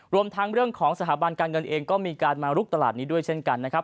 รวมทั้งเรื่องของสถาบันการเงินเองก็มีการมาลุกตลาดนี้ด้วยเช่นกันนะครับ